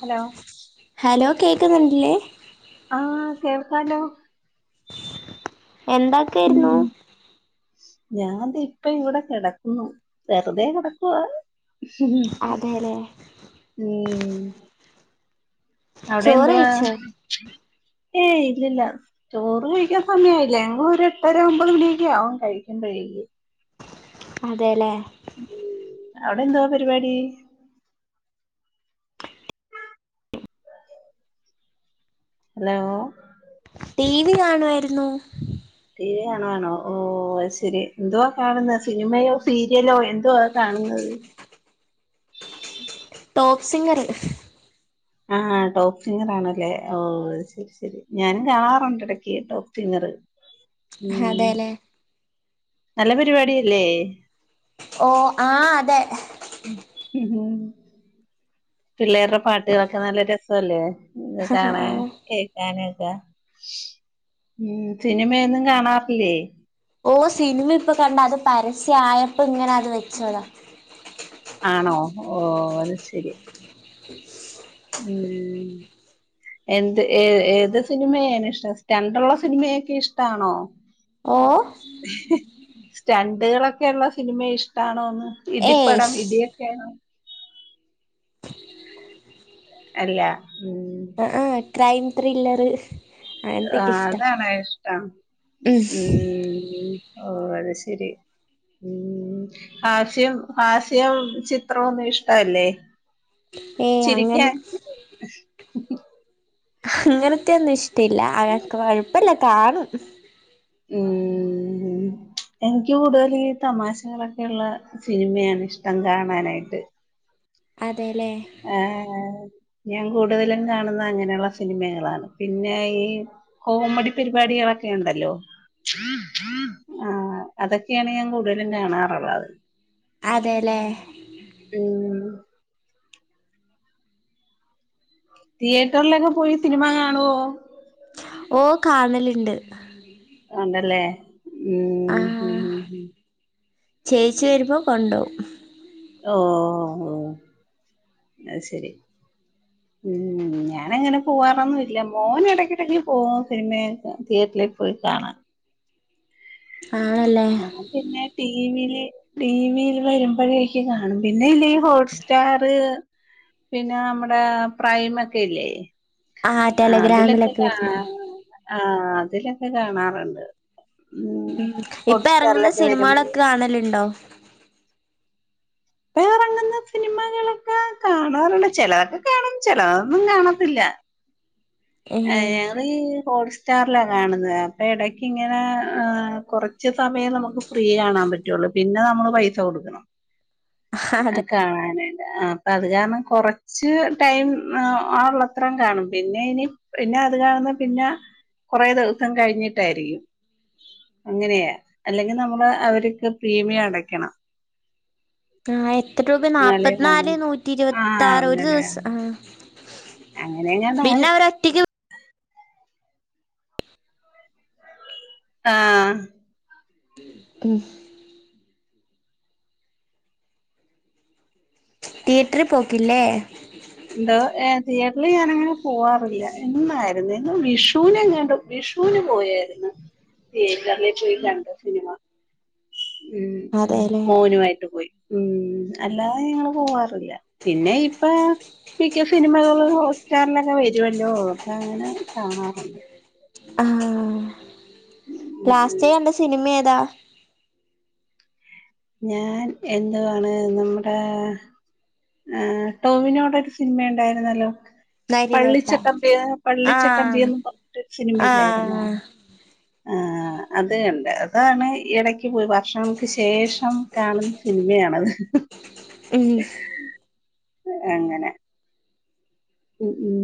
Hello hello കേക്ക്ന്ന്ണ്ടിലേ ആഹ് കേൾക്കാലോ എന്താക്കേര്ന്നൂ. ഉം ഞാൻ ദേ ഇപ്പ ഇവിടെ കിടക്കുന്നു വെറുതെ കെടക്കുവാ അതെല്ലേ ഉം അവടെ ചോറ് എന്തുവാ കഴിച്ചോ ഏയ് ഇല്ലല്ല ചോറ് കഴിക്കാൻ സമയായില്ല ഞങ്ങ ഒരു എട്ടര ഒമ്പത് മണിയൊക്കെ ആവും കഴിക്കുമ്പഴേ അതേലേ അവടെ എന്താ പരിവാടി ഹലോ ടി വി കാണുവാര്ന്നു ടി വി കാണുവാണോ ഓഹ് അത് ശരി എന്തുവാ കാണുന്നത് സിനിമയോ സീരിയലോ എന്തുവാ കാണുന്നത്? ഉ ടോപ് സിംഗര് ആ ടോപ്പ് സിങ്ങർ ആണല്ലേ ഓ ശരി ശരി ഞാനും കാണാറുണ്ട് ഇടക്ക് ടോപ്പ് സിങ്ങർ ഉം അതെല്ലേ നല്ല പരിപാടില്ലേ ഓ ആ അതെ ഉ പിള്ളേരുടെ പാട്ടുകളൊക്കെ നല്ല രസല്ലേ ആഹ് കാണാൻ ആഹ് കേക്കൻ ഉ സിനിമയൊന്നും കാണാറില്ലേ ഓ സിനിമ ഇപ്പൊ കണ്ട അത് പരസ്യയപ്പോ ഇങ്ങനെ അത് വെച്ചോതാ ആണോ ഓ അത് ശരി ഉ ഉം എന്ത് ഏ ഏത് സിനിമയാണ് ഇഷ്ടം സ്റ്റാഡർഡ ഉള്ള സിനിമയൊക്കെ ഇഷ്ടാണോ ഓ സ്റ്റണ്ടുകളൊക്കെള്ള സിനിമ ഇഷ്ടമാണോന്ന് ഏയ് ഇടിപ്പടം ഇടിയൊക്കെയ ആണ് അല്ല ഉം ആ ആ ക്രൈം ത്രില്ലർ ആ അതണ ഇഷ്ടം ഉം ഉ ഓ അത് ശരി ഉം ഹാസ്യം ഹാസ്യം ചിത്രമൊന്നും ഇഷ്ടല്ലേ ഏയ് അങ്ങനെ ചിരിക്കാൻ അങ്ങനത്തെെയ ഒന്നും ഇഷ്ടയില്ല അനക്കെ കൊഴപ്പല്ല കാണും ഉം എനിക്ക് കൂടുതൽ ഈ തമാശകളൊക്കെയുള്ള സിനിമയാണ് ഇഷ്ടം കാണാനായിട്ട് അതെല്ലേ ആഹ് ഞാൻ കൂടുതലും കാണുന്ന അങ്ങനെയുള്ള സിനിമകളാണ് പിന്നെ ഈ കോമഡി പരിപാടികളൊക്കെ ക്ക ഉണ്ടല്ലോ ആ അതൊക്കെയാണ് ഞാൻ കൂടുതലും കാണാറുള്ളത് അതെല്ലേ ഉം തിയേറ്ററിലൊക്കെ പോയി സിനിമ കാണുവോ ഓ കാനലുണ്ട് ണ്ടല്ലേ ഉം ഉ ചേച്ച വരുമ്പോൾ കൊണ്ടോക ഓ ഓ അ ശരി ഉം ഞാന അങ്ങനെ പോവാറൊന്നുമല്ല മോന ഇടക്കിടക്ക് പോക സിനിമയെ തിയേറ്റർ പോയി കാണാം ആണല്ലേ ആ പിന്നെ ടി വി ടിവിയിൽ വരുമ്പോഴേക്ക് കാണും പിന്നെ ഇല്ല ഈ ഹോട്ട്സ്റ്റാർ പിന്നെ നമ്മടെ പ്രൈമ ഒക്കെല്ലേ ആഹ് ആ അതിലൊക്കെ ടെലഗ്രാമിലൊക്കെ വരുന്ന ആ അതിലൊക്കെ കാണാറുണ്ട് ഉം ഇപ്പൊ എറങ്ങുന്ന ഹോട്ട്സ്റ്റാറിലൊക്കെ വരുമ്പോ സിനിമാളൊക്കെ കാണലുണ്ടോ? വേറെ എറങ്ങുന്ന സിനിമകളൊക്കെ കാണാറുണ്ട് ചെലതൊക്കെ കാണും ചെലതൊന്നും കാണത്തില്ല ആ ഏഹ് ഞങ്ങള് ഹോട്‌സ് സ്റ്റാർലാ കാണുന്നത് അപ്പെടയ്ക്ക് ഇങ്ങനെ ഏ കൊറച്ച് സമയം ന്നമുക്ക് ഫ്രീ കാണാൻ പറ്റുള്ളൂ പിനെ ന്നമ്മള് പൈസ കൊടുക്കണം അതെ കാണാനയ്ട്ട് ആ അപ്പത് കാരണം കൊറച്ച് ടൈം ആ ഉള്ളത്രം കാണും പിനയ്ന് പിന്നെ അത് കാണുന്ന പിന്നെ കൊറേ ദിവസം കഴിഞ്ഞിട്ടായിരിക്കും. അങ്ങനെയാ അല്ലെങ്കിൽ നമ്മള് അവർക്ക് പ്രീമിയം അടക്കണം. ആ എത്ര രൂബെ ന്നാപ്പത് കാണൂ ന്നാല് നൂറ്റി ആഹ് ഇരുവത്താറ് ഒരു അങ്ങനെ ദിവസം ആ അങ്ങനെങ്ങാണ്ടാണ് ആ ഉം തിയേറ്ററി പോക്കില്ലേ എന്തോ ഏ തിയേറ്ററിൽ ഞാനങ്ങനെ പോവാറില്ല എന്നായിരുന്നു [unintelligible] വിഷുവിനെങ്ങാണ്ടും വി വിഷുന് പോയാര്ന്ന് തിയേറ്റർല് പോയി കണ്ട് സിനിമ ഉം അതെല്ലേ മോനുവായ്ട്ട് പോയി ഉം അല്ലാതെ ഞങ്ങള് പോവാറില്ല. പിന്നെ ഇപ്പൊ മിക്ക സിനിമകളും ഹോസ്റ്റാർലൊക്കെ വരുവല്ലോ അപ്പഅങ്ങനെ കാണാറുണ്ട് ഉം ഉം ലാസ്റ്റായ്കണ്ട സിനിമേതാ ഞാൻ എന്തുവാണ് നമ്മടെ ആ ട്ടൊവിനോടെക്കെ സിൻമ ണ്ടായിരുന്നല്ലോ നരിവേട്ട പള്ളിച്ചട്ടമ്പി ആഹ് പള്ളിച്ചട്ടമ്പിന്ന് പറഞ്ഞിട്ട് സിനിമയില്ലായിരുന്നോ? ആഹ് ആഹ അതെ എന്റെതാണ് ഇഎടക്ക് പോയ് വർഷങ്ങൾക്ക് ശേഷം കാണുന്ന സിനിമയാണത് [unintelligible] എങ്ങനെ ഉം ഉം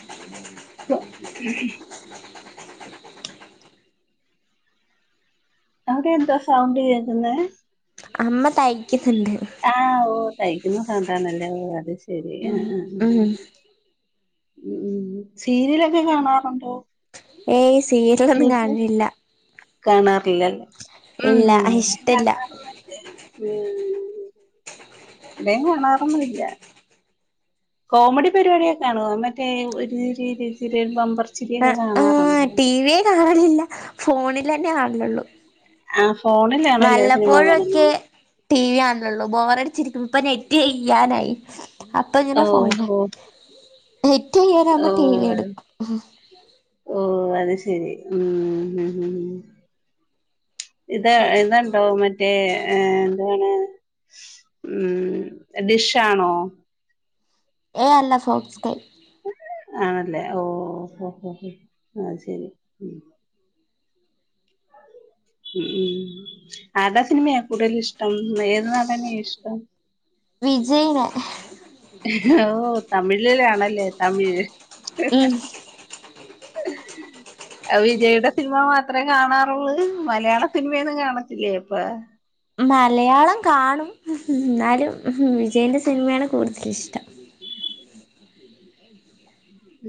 [unintelligible] അവിടെ എന്തോ സൗണ്ട് കേക്കുന്നെ അമ്മ തയ്ക്കുന്നുണ്ട് ആഹ് ഓ തയ്ക്കുന്ന സൗണ്ടാണല്ലേ അത് ശെരി അ ഉം അ ഉം ഉം സീരിയലൊക്കെ കാണാറുണ്ടോ? ഏയ് സീരിലൊന്നും കാൺലില്ല കാണാറില്ലല്ലോ മ് ഹ് ഇഷ്ടല്ല കാണാറ്ള്ളണ്ട് വിടെയും കാണാറൊന്നുംല്ല കോമഡി പരിപാടിയൊക്കെ കാണോ അത് മറ്റേ ഒരു ചിരി ഇരു ചിരി ബമ്പർ ചി ആ ആ ടീവിയെ കാണലില്ല. ഫോണിലെന്നെ കാണലള്ളൂ ആഹ് ഫോണിലാണല്ലേ സിനിമ വല്ലപ്പോഴൊ കാണുന്നെ ഒക്കെ ട്ടി വി കാൺലൊള്ളൂ ബോറടി [unintelligible] ഇപ്പ നെറ്റ് യ്യാനായി ഓ അപ്പൊങ്ങനെ ഫോണി ഓ ഓ നെറ്റയ്യാരാവുമ്പോ ടീവി എടുക്കും ഓ അത് ശരി ഉം ഉ [unintelligible] ഇത് ഇത്ണ്ടോ മറ്റേ ഏ എന്താണ് ഉം ഡിശ്ശാണോ ഏ അല്ല ഫോക്സ് കൈ ആണല്ലേ ഓ ഓ ഓഓ അയ് ശെരി ഉ ഉം ആർടാ സിനിമ്യാ കൂടുതലിഷ്ട്ടം ഏത് ന്നടനേ ഇഷ്ടം വിജെയ്നെ ഓ തമിഴിലാണല്ലേ തമിഴ് ഉം അവിൻ വിജയുടെ സിനിമ മാത്രമേ കാണാറുള്ളൂ മലയാള സിനിമയൊന്നും കാണത്തില്ലേ ഇപ്പൊ മലയാളം കാണും എന്നാലും വിജിയന്റെ സിനിമയാണ് കൂടുതല ഇഷ്ടം [inaudible]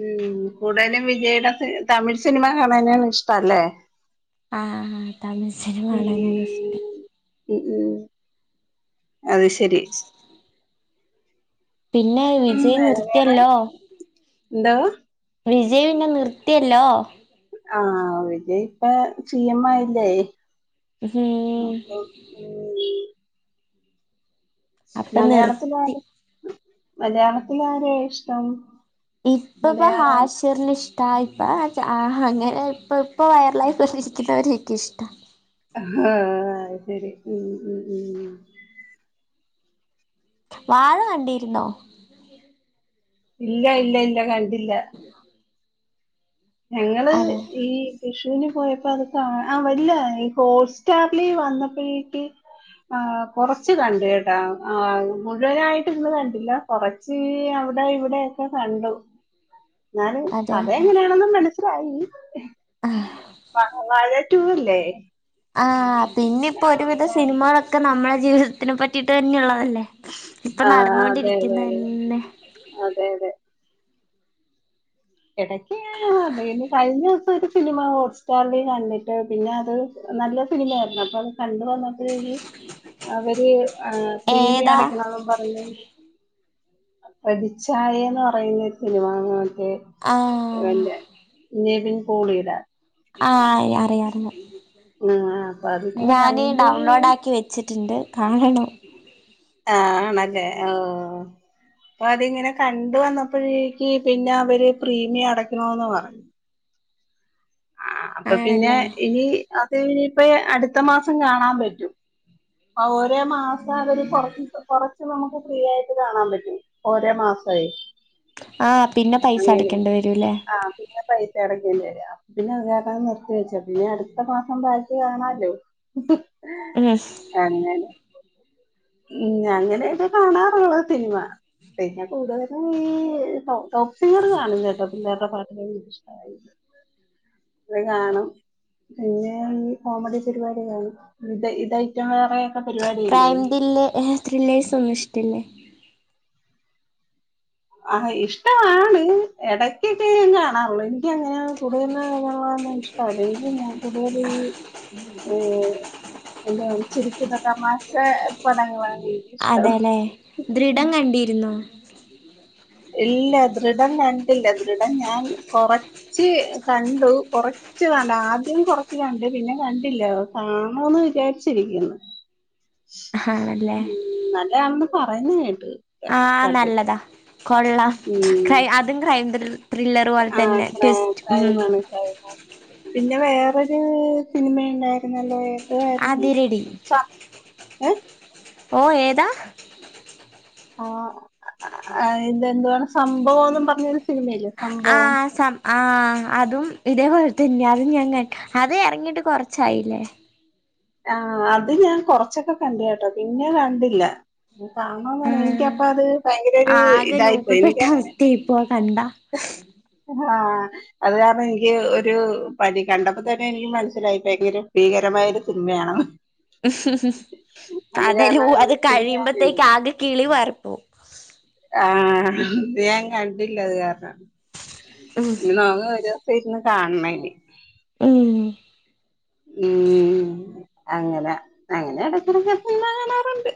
ഉം കൂടുതലും വിജയുടെ തമിഴ് സിനിമ കാണാനാണ് ഇഷ്ട അല്ലേ ആ തമിഴ്സിനിമ കാണാനാണ് ഇഷ്ടം ഉ ഉ അത് ശരി പിന്നെ വിജയി നിർത്തിയല്ലോ എന്താ വിജയ്തന്നെ നിർത്തിയല്ലോ ആ വിജയ് ഇപ്പം സി എം ആയില്ലേ ഉംഉം അപ്പൊ ഉം അപ്പൊ നിർത്തി മലയാളത്തിലാര് മലയാളത്തിലെ ആരെ ഇഷ്ടം ഇപ്പ ഇപ്പൊ മലയാള ഹാഷറിന് ഇഷ് പ്പ അങ്ങനെ ഇപ്പ ഇപ്പ വയറലായി വന്നിരിക്കുന്നവർ [unintelligible] എനിക്കാ ഇഷ്ടം ആഹ് അത് ശരി ഉ ഉ ഉ വാഴ കണ്ടിരുന്നോ ഇല്ല ഇല്ല ഇല്ല കണ്ടില്ല ഞങ്ങള് അതെ ഈ വിഷ് പോയപ്പോ അതൊക്കെ ആ വല്ല ഈ ഹോട്ട് സ്റ്റാറില് വന്നപ്പോഴീട്ട് ആ കൊറച്ച് കണ്ട് കേട്ടാ ആ മുഴുവനായിട്ട് ഇന്ന് കണ്ടില്ല കുറച്ച് ഇവിടെ ഇവിടെക്കെ കണ്ടു എന്നാലും അതെ കഥ എങ്ങനെയാണെന്നും മനസ്സിലായി ആഹ് വാഴ ടൂ ഏ ആഹ് പിന്നെ ഇപ്പ ഒരുവിധ സിനിമകളൊക്കെ നമ്മുടെ ജീവിതത്തിനെ പറ്റിട്ട് തന്നെള്ളതല്ലേ ഇപ്പൊ ആ അതെ അതെ അതെ നടന്നൊണ്ടിരിക്കുന്നന്നെ അതെ അതെ ഇടക്ക ഇങ്ങനെ അതിന് കഴിഞ്ഞു ഒരു സിനിമ ഹോട്ട് സ്റ്റാറിൽ കണ്ടിട്ട് പിന്നെ അത് നല്ല സിനിമയായിരുന്നു അപ്പൊ അത് കണ്ട് വന്നപ്പയെ അവര് പ്രീമി ഏതാ അടക്കണെന്നും പറഞ്ഞു പ്രതിച്ചായന്നെപറയുന്ന ഒരു സിനിമ ആഹ് [unintelligible] നിവിൻ പൊളിയുടെ ആ അറിയാ റിയാ ആ, അപ്പൊ അതിങ്ങനെ ഞാന് കണ്ട് ഡൗൺലോഡ് ആക്കി വെച്ചിട്ടുണ്ട് കാണണം ആ നല്ലയാ ഓ അപ്പൊ അതിങ്ങനെ കണ്ട് വന്നപ്പോഴേക്ക് പിന്നെ അവര് പ്രീമിയം അടക്കണന്ന് പറഞ്ഞു ആ അപ്പൊ പിന്നെ ആണല്ലേ ഇനി അത് ഇനിയിപ്പ അടുത്ത മാസം കാണാൻ പറ്റും അ ഓരേ മാസം അതൊരുകൊറച്ച് കൊറച്ച് നമുക്ക് ഫ്രീ ആയിട്ട് കാണാൻ പറ്റും ഓരേ മാസമായി ആഹ് പിന്നെ പൈസ അങ്ങനെ അടക്കേണ്ടി വരൂല്ലേ ആ പിന്നെ പൈസടക്കൂല്ലല്ല പിന്നെ അതങ്ങ് നിർത്തി വെച്ചു പിന്നെ അടുത്ത മാസം ബാക്കി കാണാലോ ഉം അങ്ങനെ ഉ അങ്ങനൊയൊക്കെ കാണാറുള്ളൂ സിനിമ പിന്നെ കൂടുതലും ഈ ടോപ്പ് സിംഗർ കാണും കേട്ടോ പിളെളരുടെ പാട്ട് അത് കാണും പിന്നെ ഈ കോമഡി പരിപാടികാണും ഇത് ഇത് ഏറ്റം വേറെയൊക്കെ പരിപാടില്ലേ ഇല്ലേ റിലേസ് ഒന്നും ഇഷ്ടില്ലേ ആ ഇഷ്ടമാണ് എടക്കൊക്കെ ഞാൻ കാണാറുള്ളു എനിക്ക് അങ്ങനെയ കൂടുതലാഅ ഇഷ്ട അല്ലെ ഇൻക്ക്കൂടുതൽ ഏർ എന്താണ് ചിരിക്കുന്ന തമാശ പടങ്ങളാണ് എനിക്കിഷ്ടം അതെല്ലെ ദൃഢം കണ്ടിരുന്നോ ഇല്ല ദൃഢം കണ്ടില്ല ദൃഢം ഞാൻ കൊറച്ച് കണ്ടു കൊറ കുറച്ച് കണ്ട് ആദ്യം കൊറച്ച് കണ്ട് പിന്നെ കണ്ടില്ല കാണോന്ന് വിചാരിച്ചിരിക്കുന്നു ആ ല്ലേ പറയുന്നത് കേട്ട് ക- ആ കണ്ടിട്ട് നല്ലതാ കൊള്ളാം ഉം. ക്രൈ അതും ക്രൈം ത്രില്ലർ പോലെ ആ തന്നെ ക്ര ട്വിസ്റ്റ് ക്രൈ ഉം ആണ് ക്രൈ പിന്നെ വേറെ സിനിമ ഉണ്ടായിരുന്നല്ലോ ഏതായിരുന്നു അതിരടി ശ ഏ ഓ ഏതാ ആ ഇത് എന്തുവാണ് സംഭവം എന്ന് പറഞ്ഞൊരു സിനിമയില്ലേ ആ സംഭവം സ ആഹ അതും ഇതേപോലെ തന്നെ അതും. ഞാൻ അത് ഇറങ്ങിട്ട് കൊറച്ചായില്ലേ? ആഹ അത് ഞാൻ കൊറച്ചൊക്കെ കണ്ട് കേട്ടോ പിന്നെ കണ്ടില്ല. [unintelligible] എനിക്ക് ആഹ് അപ്പ അത് ഭയങ്കര ഒരു ആകെ ഇതായിപ്പോയി. ലൂപ്പിപ്പെട്ട എനിക്കങ്ങനെ. അവസ്ഥയായിപ്പോ ആ കണ്ടാ ആഹ അത് കാരണം എനിക്ക് ഒരു പനി. കണ്ടപ്പോ തന്നെ എനിക്ക് മനസ്സിലായി ഭയങ്കര ഭീകരമായി [unintelligible] സിനിമയാണ് ഉം അതരു കാരണം അത് പിന്നെ ഞാൻ കഴിയുമ്പത്തേക്ക് ആകെ കിളി പാറും. [unintelligible] ആഹ ഞാൻ കണ്ടില്ല അത് കാരണം ഉം ഇ [unintelligible] വരു കാണണം ഇനി ഉം ഉം അങ്ങനെ അങ്ങനെ ഇടക്കിടക്കെ സിനിമ കാണാറുണ്ട്.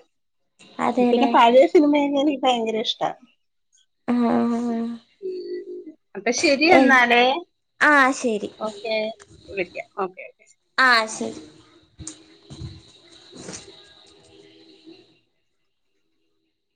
പിന്നെ അതെല്ലേ പഴയ സിനിമയെക്കനിക്ക്‌ ഭയങ്കര ഇഷ്ടാ. ആഹ അപ്പൊ ശരി എന്നാലേ. ആഹ് ശരി ഓക്കെ വിളിക്ക ഓക്കെ ഓക്കേ ആഹ് ശരി